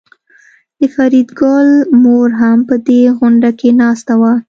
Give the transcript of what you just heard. د فریدګل مور هم په دې غونډه کې ناسته وه